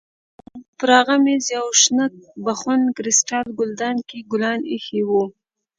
پر هغه مېز په یوه شنه بخون کریسټال ګلدان کې ګلان ایښي وو.